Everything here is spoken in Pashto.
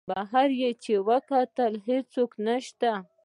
بهر یې چې وکتل هېڅوک نسته.